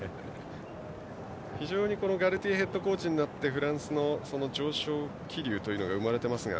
非常にガルティエヘッドコーチになってフランスの上昇気流が生まれていますが。